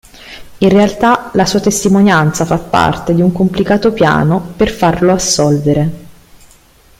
In realtà, la sua testimonianza fa parte di un complicato piano per farlo assolvere.